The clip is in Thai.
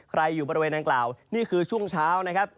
อยู่บริเวณดังกล่าวนี่คือช่วงเช้านะครับ